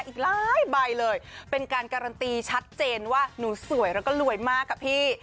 อีกหลายใบเลยเป็นการการันตีชัดเจนว่าหนูสวยแล้วก็รวยมากอะพี่